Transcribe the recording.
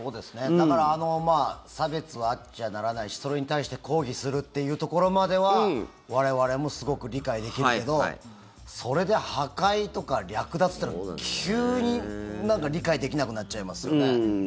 だから差別はあっちゃならないしそれに対して抗議するっていうところまでは我々もすごく理解できるけどそれで破壊とか略奪っていったら急に理解できなくなっちゃいますよね。